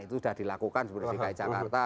itu sudah dilakukan seperti dki jakarta